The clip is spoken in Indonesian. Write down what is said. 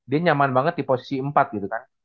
dia nyaman banget di posisi empat gitu kan